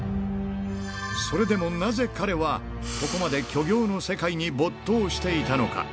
それでもなぜ彼は、ここまで虚業の世界に没頭していたのか。